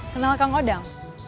kenal kang odang